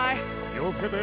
気をつけて。